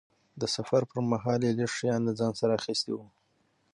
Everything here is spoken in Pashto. د سفر پرمهال لږ شیان یې له ځانه سره اخیستي وو.